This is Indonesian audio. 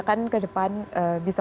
uang merah terus